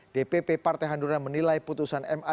dpp partai hanura menilai putusan ma